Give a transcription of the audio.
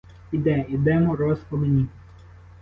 Іде, іде мороз по мені.